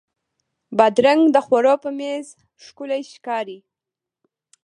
بادرنګ د خوړو په میز ښکلی ښکاري.